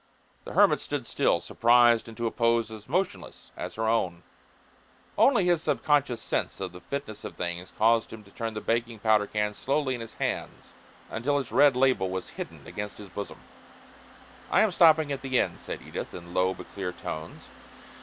The hermit stood still, surprised into a pose as motionless as her own. Only his subconscious sense of the fitness of things caused him to turn the baking powder can slowly in his hands until its red label was hidden against his bosom. "I am stopping at the inn," said Edith, in low but clear tones.